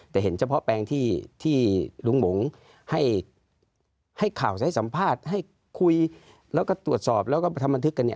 แต่เห็นเฉพาะแปลงที่ลุงหมงให้ข่าวให้สัมภาษณ์ให้คุยแล้วก็ตรวจสอบแล้วก็ไปทำบันทึกกันเนี่ย